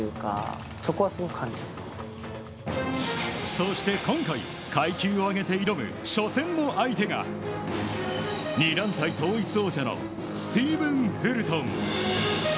そして今回、階級を上げて挑む初戦の相手が２団体統一王者のスティーブン・フルトン。